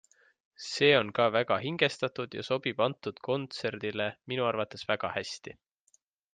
See on ka väga hingestatud ja sobib antud kontserdile minu arvates väga hästi.